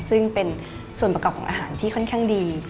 ซึ่งเป็นส่วนประกอบของอาหารที่ค่อนข้างดี